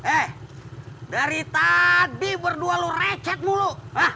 eh dari tadi berdua lu recet mulu